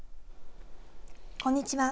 こんにちは。